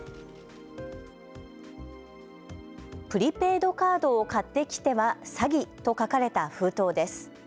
プリペイドカードを買ってきては詐欺！と書かれた封筒です。